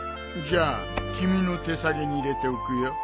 じゃあ君の手提げに入れておくよ。